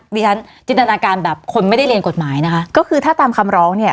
ฉันจินตนาการแบบคนไม่ได้เรียนกฎหมายนะคะก็คือถ้าตามคำร้องเนี่ย